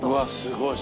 すごい！